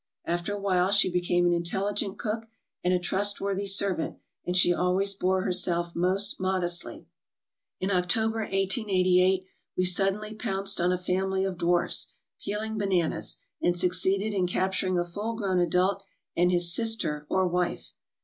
After a while she became an intelli gent cook, and a trustworthy servant, and she always bore herself most modestly. In October, 1888, we suddenly pounced on a family of dwarfs, peeling bananas, and succeeded in capturing a full grown adult and his sister, or wife.